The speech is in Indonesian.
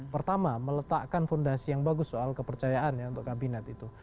pertama meletakkan fondasi yang bagus soal kepercayaan ya untuk kabinet itu